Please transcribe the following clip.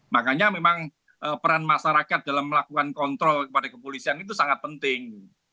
makanya memang peran masyarakat dalam melakukan kontrol kepada kepolisian itu sangat penting